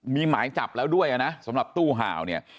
มีหมายจับแล้วด้วยนะสำหรับตู้ห่าวเนี่ย